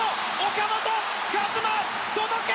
岡本和真、届け！